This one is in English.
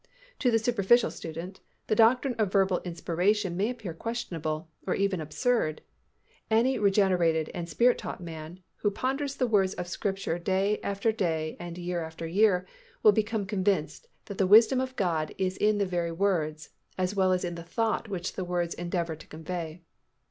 To the superficial student, the doctrine of verbal inspiration may appear questionable or even absurd; any regenerated and Spirit taught man, who ponders the words of the Scripture day after day and year after year, will become convinced that the wisdom of God is in the very words, as well as in the thought which the words endeavour to convey.